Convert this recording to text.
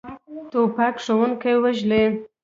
توپک ښوونکي وژلي.